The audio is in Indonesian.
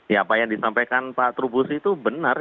ya apa yang disampaikan pak trubus itu benar